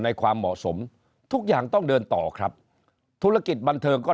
ในความเหมาะสมทุกอย่างต้องเดินต่อครับธุรกิจบันเทิงก็